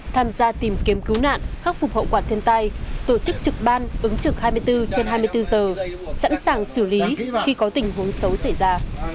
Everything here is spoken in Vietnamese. tham gia tìm kiếm cứu nạn khắc phục hậu quả thiên tai tổ chức trực ban ứng trực hai mươi bốn trên hai mươi bốn giờ sẵn sàng xử lý khi có tình huống xấu xảy ra